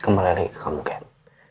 kembali lagi ke kamu